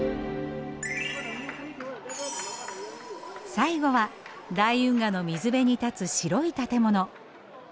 最後は大運河の水辺に立つ白い建物。